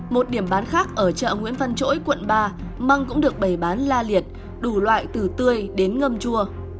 một điểm bán khác ở chợ nguyễn văn chỗi quận ba măng cũng được bày bán la liệt đủ loại từ tươi đến ngâm chua